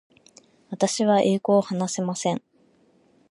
私は英語を話せません。